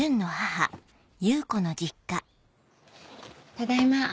ただいま。